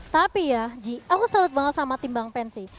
tapi ya ji aku salut banget sama tim bang pensi